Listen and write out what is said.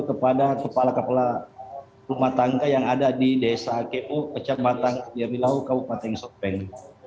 kepada kepala kepala rumah tangka yang ada di desa k o kecat batang yabilau kabupaten sokping